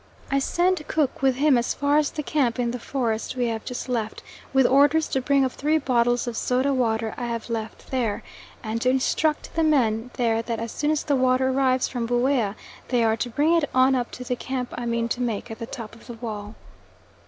I send cook with him as far as the camp in the forest we have just left with orders to bring up three bottles of soda water I have left there, and to instruct the men there that as soon as the water arrives from Buea they are to bring it on up to the camp I mean to make at the top of the wall.